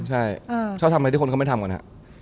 ใช่ชอบทำอะไรที่คนเขาไม่ทำกันฮะ